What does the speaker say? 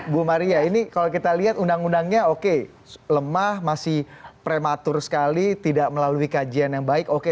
bu maria ini kalau kita lihat undang undangnya oke lemah masih prematur sekali tidak melalui kajian yang baik oke